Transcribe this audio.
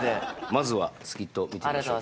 まずはスキットを見てみましょうか。